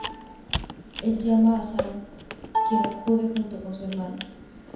Él llama a Sam quien acude junto con su hermano.